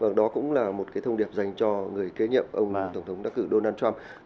và đó cũng là một thông điệp dành cho người kế nhậm ông tổng thống đắc cử donald trump